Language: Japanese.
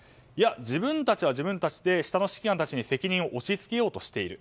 自分たちは自分たちで下の指揮官たちに責任を押し付けようとしている。